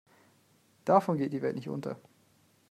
Davon geht die Welt nicht unter.